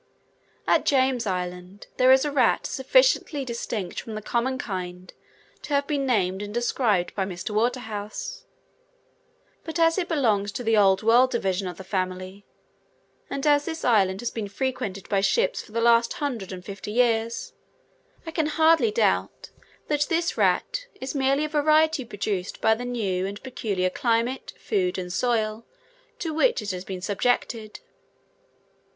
At James Island, there is a rat sufficiently distinct from the common kind to have been named and described by Mr. Waterhouse; but as it belongs to the old world division of the family, and as this island has been frequented by ships for the last hundred and fifty years, I can hardly doubt that this rat is merely a variety produced by the new and peculiar climate, food, and soil, to which it has been subjected.